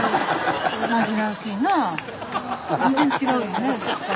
全然違うよね。